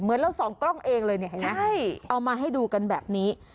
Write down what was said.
เหมือนเราส่องกล้องเองเลยเนี่ยเอามาให้ดูกันแบบนี้